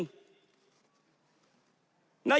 นโยบายภักดิ์